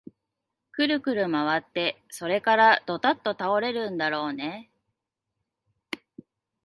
くるくるまわって、それからどたっと倒れるだろうねえ